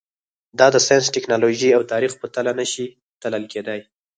دا د ساینس، ټکنالوژۍ او تاریخ په تله نه شي تلل کېدای.